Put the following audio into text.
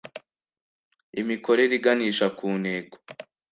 imikorere iganisha ku ntego